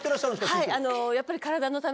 はいやっぱり。